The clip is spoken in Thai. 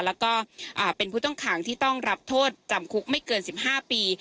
แล้วก็เป็นผู้ต้องขังที่ต้องรับโทษจำคุกไม่เกิน๑๕ปี